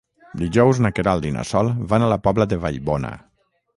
Dijous na Queralt i na Sol van a la Pobla de Vallbona.